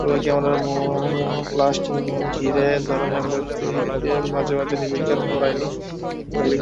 তবে ক্যামেরার মুহুর্মুহু ফ্লাশ কিংবা ঘিরে ধরা সংবাদকর্মীদের মাঝেও নির্বিকার বাহরাইনি বালিকা।